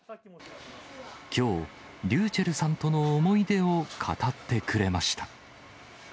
きょう、ｒｙｕｃｈｅｌｌさんとの思い出を語ってくれました。